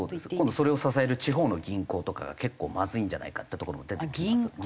今度それを支える地方の銀行とかが結構まずいんじゃないかってところも出てきますよね。